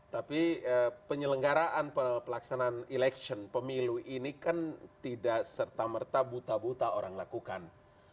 tapi penyelenggaraan pelaksanaan election pemilu ini kan tidak serta merta buta buta orang lakukan